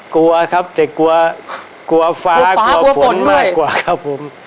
กลัวครับแต่กลัวกลัวฟ้ากลัวฝนมากกว่าครับผม